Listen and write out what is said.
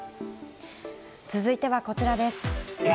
続いてはこちらです。